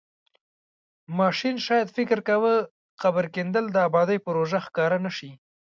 ماشین شاید فکر کاوه قبر کیندل د ابادۍ پروژه ښکاره نشي.